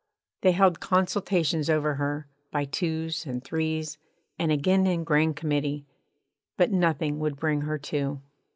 They held consultations over her, by twos and threes, and again in Grand Committee. But nothing would bring her to.